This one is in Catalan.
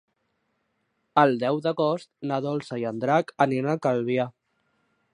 El deu d'agost na Dolça i en Drac aniran a Calvià.